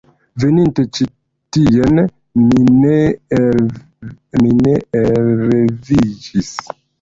Veninte ĉi tien, mi ne elreviĝis.